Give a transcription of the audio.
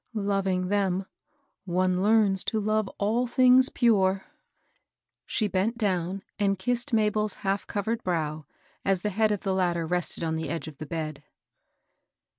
Loving them, one learns to love all things pure." She bent down and kissed MabeFs hali^overed brow, as the head of the latter rested on the edge of the bed.